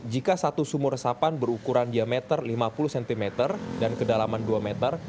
jika satu sumur resapan berukuran diameter lima puluh cm dan kedalaman dua meter